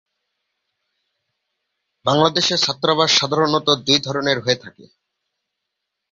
বাংলাদেশে ছাত্রাবাস সাধারণত দুই ধরনের হয়ে থাকে।